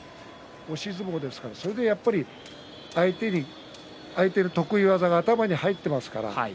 押し相撲ですからそれでやっぱり、相手の得意技が頭に入っていますから。